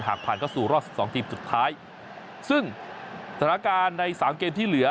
หากผ่านเข้าสู่รอบ๑๒ทีมสุดท้ายซึ่งธนาการใน๓เกมที่เหลือ